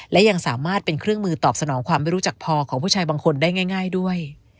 และยังสามารถเป็นเครื่องมือตอบสนองความไม่รู้จักพอของผู้ชายบางคนได้ง่ายด้วย